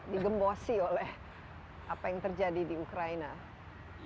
digembosi oleh apa yang terjadi di ukraina